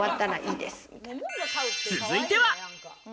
続いては。